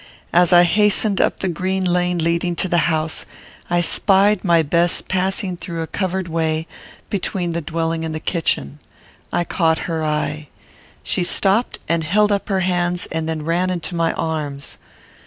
As I hastened up the green lane leading to the house, I spied my Bess passing through a covered way, between the dwelling and kitchen. I caught her eye. She stopped and held up her hands, and then ran into my arms.